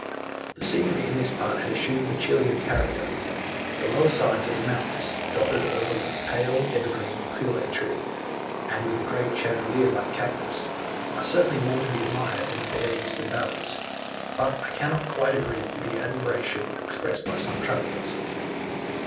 The scenery in this part had assumed a Chilian character: the lower sides of the mountains, dotted over with the pale evergreen Quillay tree, and with the great chandelier like cactus, are certainly more to be admired than the bare eastern valleys; but I cannot quite agree with the admiration expressed by some travellers.